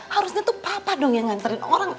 harusnya tuh papa dong yang nganterin orang